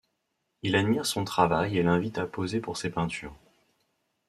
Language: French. Il admire son travail et l'invite à poser pour ses peintures.